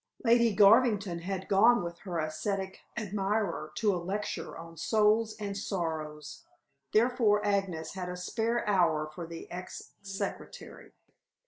Lady Garvington had gone with her ascetic admirer to a lecture on "Souls and Sorrows!" therefore Agnes had a spare hour for the ex secretary.